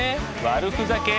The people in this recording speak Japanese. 悪ふざけ？